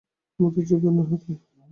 আমাদের দুজনের হাতেই।